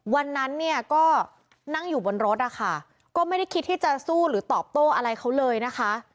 วันนั้นเนี่ยก็นั่งอยู่บนรถนะคะก็ไม่ได้คิดที่จะสู้หรือตอบโต้อะไรเขาเลยนะคะ